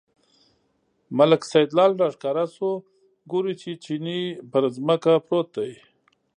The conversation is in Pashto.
ملک سیدلال راښکاره شو، ګوري چې چیني پر ځمکه پروت دی.